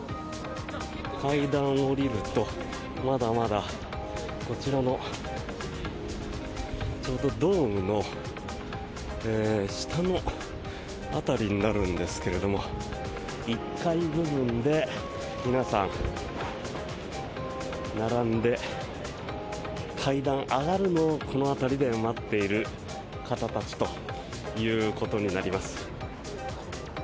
階段を下りるとまだまだ、こちらのちょうどドームの下の辺りになるんですけれども１階部分で皆さん、並んで階段上がるのをこの辺りで待っている方たちということになります。